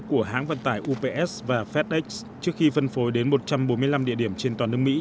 của hãng vận tải ups và fedex trước khi phân phối đến một trăm bốn mươi năm địa điểm trên toàn nước mỹ